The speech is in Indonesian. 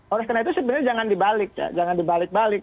oleh karena itu sebenarnya jangan dibalik